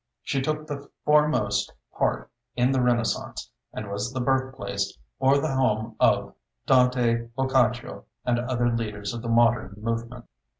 She took the foremost part in the Renaissance, and was the birthplace or the home of Dante, Boccaccio, and other leaders of the modern movement.